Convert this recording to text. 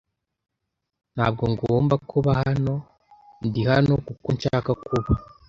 Ntabwo ngomba kuba hano. Ndi hano kuko nshaka kuba.